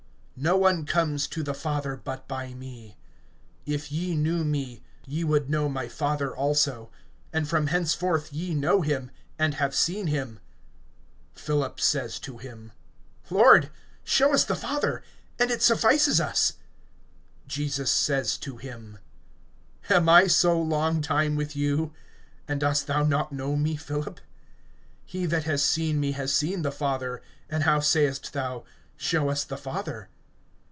No one comes to the Father, but by me. (7)If ye knew me, ye would know my Father also; and from henceforth ye know him, and have seen him. (8)Philip says to him: Lord, show us the Father, and it suffices us. (9)Jesus says to him: Am I so long time with you, and dost thou not know me, Philip? He that has seen me has seen the Father; and how sayest thou: Show us the Father?